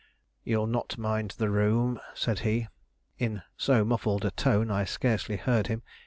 "You'll not mind the room," said he, in so muffled a tone I scarcely heard him.